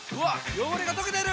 汚れが溶けてる！